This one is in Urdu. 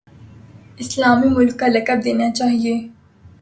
اسلامی ملک کا لقب دینا چاہیے۔